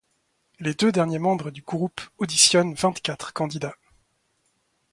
Les deux derniers membres du groupe auditionnent vingt-quatre candidats.